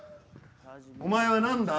お前は何だ？